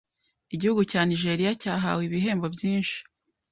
Igihugu cya Nigeria cyahawe ibihembo byinshi